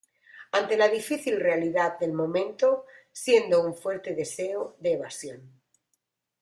Ante la difícil realidad del momento, siendo un fuerte deseo de evasión.